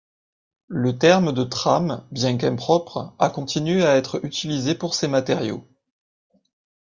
Le terme de trame, bien qu’impropre, a continué à être utilisé pour ces matériaux.